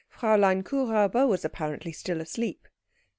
Fräulein Kuhräuber was apparently still asleep.